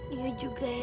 iya juga ya